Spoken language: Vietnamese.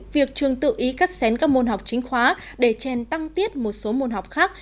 việc trường tự ý cắt xén các môn học chính khóa để chèn tăng tiết một số môn học khác